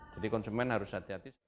jadi konsumen harus hati hati